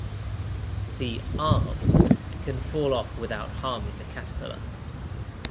The "arms" can fall off without harming the caterpillar.